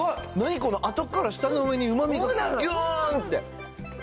何この、あとから舌の上にうまみがぎゅーんって。